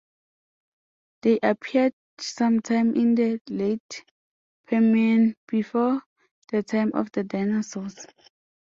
They appeared sometime in the Late Permian, before the time of the dinosaurs.